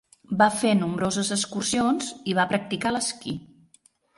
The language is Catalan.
Va fer nombroses excursions i va practicar l'esquí.